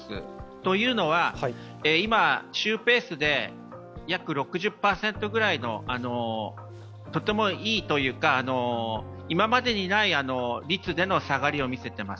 というのは、今、週ペースで約６０％のとてもいい、今までにない率での下がりを見せてます。